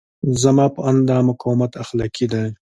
زما په اند دا مقاومت اخلاقي دی.